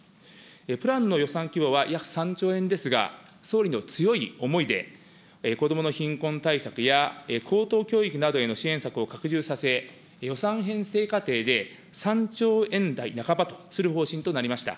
プランの予算規模は約３兆円ですが、総理の強い思いで、子どもの貧困対策や高等教育などへの支援策を拡充させ、予算編成過程で３兆円台半ばとする方針となりました。